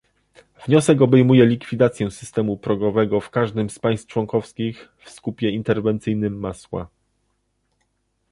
Wniosek obejmuje likwidację systemu progowego w każdym z państw członkowskich w skupie interwencyjnym masła